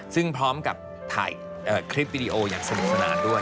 ซึ่งพร้อมกับถ่ายคลิปวิดีโออย่างสนุกสนานด้วย